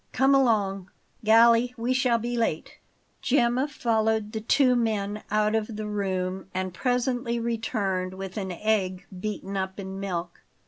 Come along, Galli; we shall be late." Gemma followed the two men out of the room, and presently returned with an egg beaten up in milk.